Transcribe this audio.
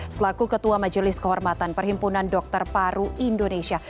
selaku ketua majelis kehormatan perhimpunan dokter paru indonesia